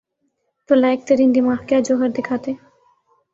تو لائق ترین دماغ کیا جوہر دکھاتے؟